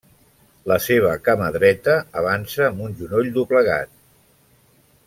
La seva cama dreta avança amb un genoll doblegat.